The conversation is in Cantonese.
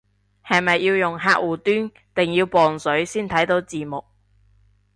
係咪要用客戶端定要磅水先睇到字幕